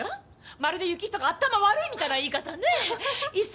まるで行人が頭悪いみたいな言い方ねぇ？